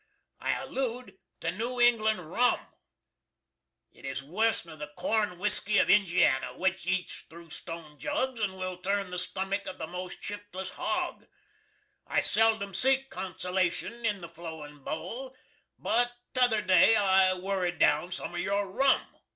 I allude to New England Rum. It is wuss nor the korn whisky of Injianny, which eats threw stone jugs & will turn the stummuck of the most shiftliss Hog. I seldom seek consolashun in the flowin Bole, but tother day I wurrid down some of your Rum.